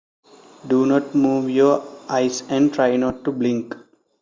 Do not move your eyes and try not to blink.